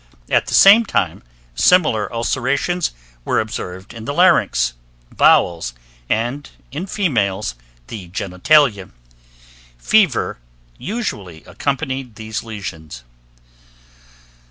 At the same time, similar ulcerations were observed in the larynx, bowels, and in females, the gentalia. Fever usually accompanied these lesions.